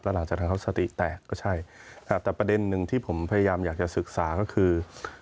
หลังจากนั้นเขาสติแตกก็ใช่แต่ประเด็นหนึ่งที่ผมพยายามอยากจะศึกษาก็คือ